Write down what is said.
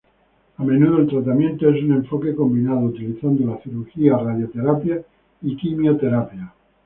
A menudo, el tratamiento es un enfoque combinado, utilizando la cirugía, radioterapia y quimioterapia.